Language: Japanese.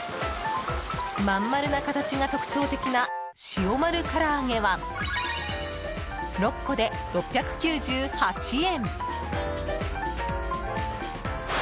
まん丸な形が特徴的な塩まるから揚げは６個で６９８円。